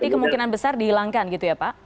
jadi kemungkinan besar dihilangkan gitu ya pak